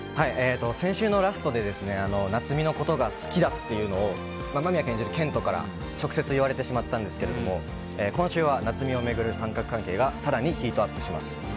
先週のラストで夏海のことが好きだと間宮君演じる健人から直接言われてしまったんですが今週は夏海を巡る三角関係が更にヒートアップします。